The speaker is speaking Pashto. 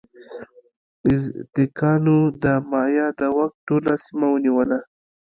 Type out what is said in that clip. ازتکانو د مایا د واک ټوله سیمه ونیوله.